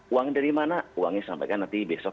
uangnya dari mana uangnya sampaikan nanti besok